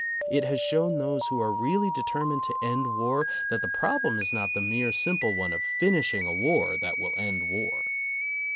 It has shown those who are really deter mined to end war that the problem is not the mere simple one of finishing a war that will end war.